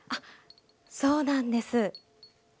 そうなんです。